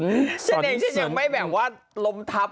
ฉันยังไม่แบบว่าล้มทับ